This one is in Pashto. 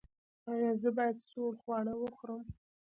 ایا زه باید سوړ خواړه وخورم؟